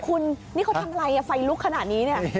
คุณนี่เขาทำอะไรไฟลุกขนาดนี้เนี่ย